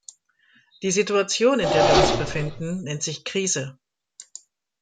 Die Situation, in der wir uns befinden, nennt sich Krise.